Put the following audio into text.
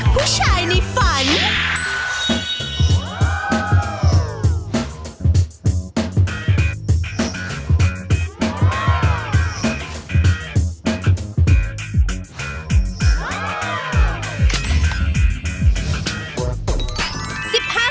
ผู้ชายในฝัน